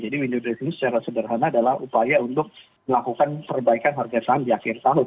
jadi window dressing secara sederhana adalah upaya untuk melakukan perbaikan harga saham di akhir tahun